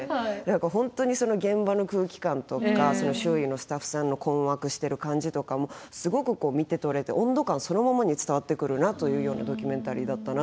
本当にその現場の空気感とかその周囲のスタッフさんの困惑してる感じとかもすごく見て取れて温度感そのままに伝わってくるなというようなドキュメンタリーだったなと。